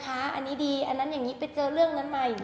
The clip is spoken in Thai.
แต่วันนี้ค่อนข้างจะสูงยอดเภอ